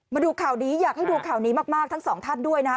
มาดูข่าวนี้อยากให้ดูข่าวนี้มากทั้งสองท่านด้วยนะครับ